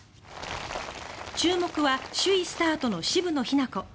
注目は首位スタートの渋野日向子。